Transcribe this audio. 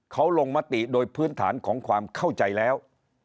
เขาลงมติโดยพื้นฐานของความเข้าใจแล้ว